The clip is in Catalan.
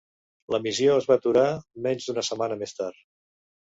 L'emissió es va aturar, menys d'una setmana més tard.